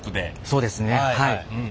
そうですねはい。